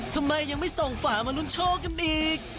ทำไมยังไม่ส่งฝามาลุ้นโชคกันอีก